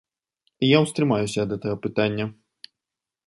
Я ўстрымаюся ад гэтага пытання.